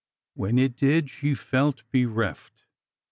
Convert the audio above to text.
When it did, she felt bereft.